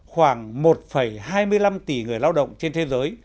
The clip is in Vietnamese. khoảng một hai mươi năm tỷ người lao động trên thế giới